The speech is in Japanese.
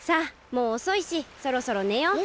もうおそいしそろそろねよう。